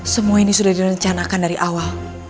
semua ini sudah direncanakan dari awal